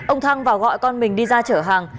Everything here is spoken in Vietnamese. ông thăng và gọi con mình đi ra chở hàng